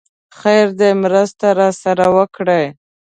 خير دی! مرسته راسره وکړئ!